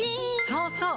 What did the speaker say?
そうそう！